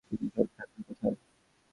কিন্তু ছোট্ট থান্ডার কোথায়?